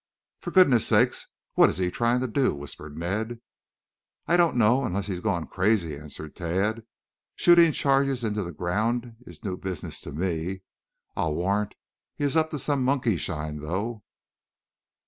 "For goodness' sake, what is he trying to do?" whispered Ned. "I don't know, unless he has gone crazy," answered Tad. "Shooting charges into the ground is new business to me. I'll warrant he is up to some monkeyshine, though."